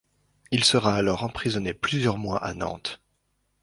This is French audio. Il sera alors emprisonné plusieurs mois à Nantes.